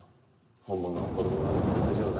「本物の子供なのに薄情だ」って。